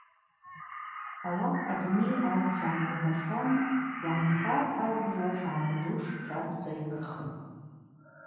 Ауат адуней азбжа гӏамырдахьан йгӏанхаз азбжа шгӏамырдуш кьахвдза йлырхитӏ.